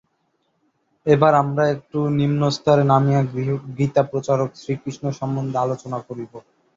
এইবার আমরা একটু নিম্নস্তরে নামিয়া গীতাপ্রচারক শ্রীকৃষ্ণ সম্বন্ধে আলোচনা করিব।